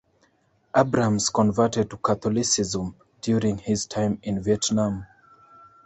Abrams converted to Catholicism during his time in Vietnam.